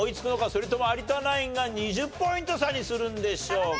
それとも有田ナインが２０ポイント差にするんでしょうか。